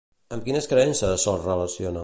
Amb quines creences se'ls relaciona?